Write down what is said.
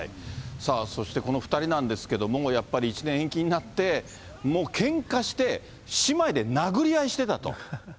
そして、この２人なんですけども、やっぱり１年延期になって、もうけんかして、姉妹で殴り合いしてたと。